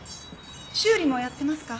修理もやってますか？